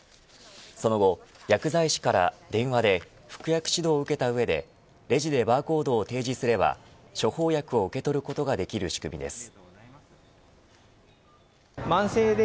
その後、薬剤師から電話で服薬指導を受けた上でレジでバーコードを提示すれば処方薬を受け取ることができる仕組みです。